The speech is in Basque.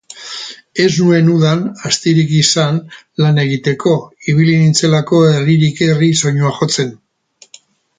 Ez nuen udan astirik izan lan egiteko, ibili nintzelako herririk herri soinua jotzen